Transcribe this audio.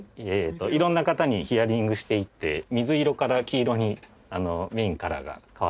色んな方にヒアリングしていって水色から黄色にメインカラーが変わっていったと。